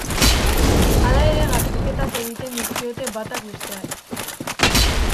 Hala ere garbiketak egiten dizkiote batak besteari.